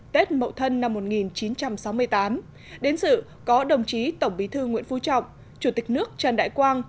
tết mậu thân năm một nghìn chín trăm sáu mươi tám đến dự có đồng chí tổng bí thư nguyễn phú trọng chủ tịch nước trần đại quang